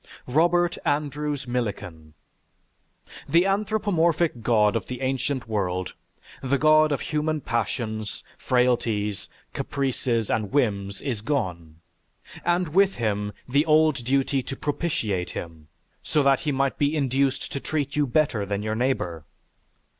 ROBERT ANDREWS MILLIKAN The anthropomorphic God of the ancient world the God of human passions, frailties, caprices, and whims is gone, and with him the old duty to propitiate him, so that he might be induced to treat you better than your neighbor.